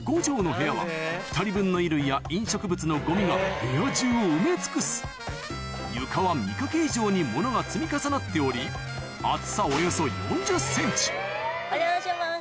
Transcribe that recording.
部屋は２人分の衣類や飲食物のゴミが部屋中を埋め尽くす床は見かけ以上にモノが積み重なっておりお邪魔します。